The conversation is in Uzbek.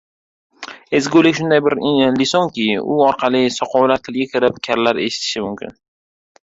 Ezgulik — shunday bir lisonki, u orqali soqovlar tilga kirib, karlar eshitishi mumkin.